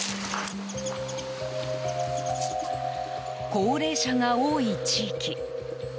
高齢者が多い地域。